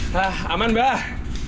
hah aman mbah